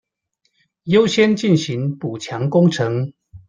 優先進行補強工程